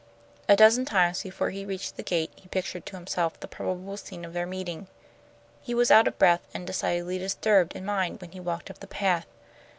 A dozen times before he reached the gate he pictured to himself the probable scene of their meeting. He was out of breath and decidedly disturbed in mind when he walked up the path.